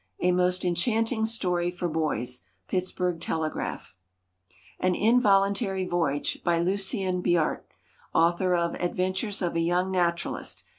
_ "A most enchanting story for boys." PITTSBURGH TELEGRAPH. AN INVOLUNTARY VOYAGE. By LUCIEN BIART, Author of "Adventures of a Young Naturalist."